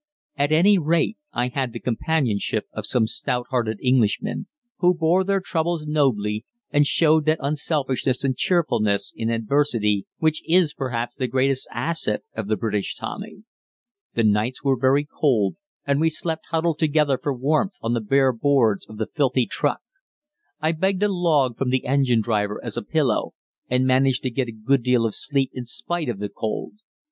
At any rate I had the companionship of some stout hearted Englishmen, who bore their troubles nobly and showed that unselfishness and cheerfulness in adversity which is perhaps the greatest asset of the British Tommy. The nights were very cold, and we slept huddled together for warmth on the bare boards of the filthy truck. I begged a log from the engine driver as a pillow, and managed to get a good deal of sleep in spite of the cold.